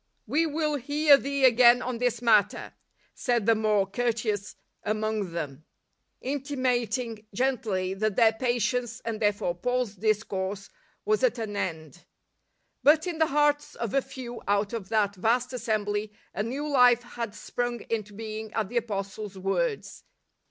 i "We wili hear thee again on this matter," |'i said the more courteous among them, inti 1 ;' mating gently that their patience — and there fore Paul's discourse — ^was at an end. ; i But in the hearts of a few out of that vast assembly a new life had sprung into being at the Apostle's words.